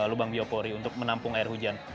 lubang biopori untuk menampung air hujan